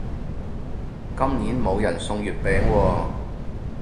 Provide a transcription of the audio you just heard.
今年冇人送月餅喎